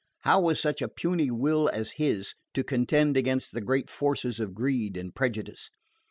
How was such a puny will as his to contend against the great forces of greed and prejudice?